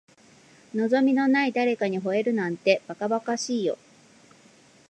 望みのない誰かに惚れるなんて、ばかばかしいよ。